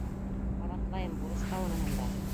Ҡабатлайым, бурысҡа уныһын да.